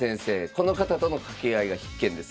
この方との掛け合いが必見です。